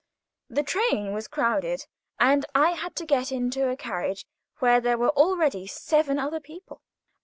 The train was crowded, and I had to get into a carriage where there were already seven other people.